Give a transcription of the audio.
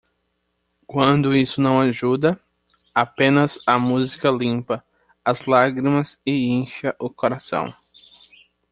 Quando isso não ajuda, apenas a música limpa as lágrimas e incha o coração.